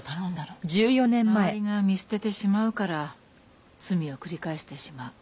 周りが見捨ててしまうから罪を繰り返してしまう。